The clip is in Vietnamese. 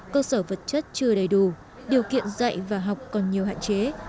cơ sở vật chất chưa đầy đủ điều kiện dạy và học còn nhiều hạn chế